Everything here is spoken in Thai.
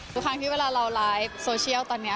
ทุกครั้งที่เวลาเราไลฟ์โซเชียลตอนนี้